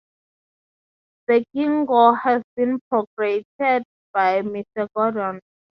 The ginkgo has been propagated by Mr. Gordon.